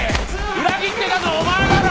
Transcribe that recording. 裏切ってたのはお前だろ。